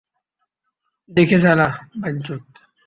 দেখে চালা, বাইঞ্চুদ!